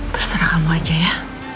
terserah kamu aja ya